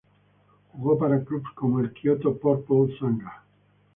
Jugó para clubes como el Kyoto Purple Sanga.